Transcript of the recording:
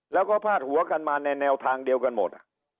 แล้วก็พาดหัวกันมาในแนวทางเดียวกันหมด